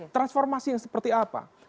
transformasi yang seperti apa